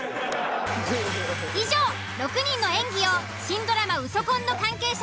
以上６人の演技を新ドラマ「ウソ婚」の関係者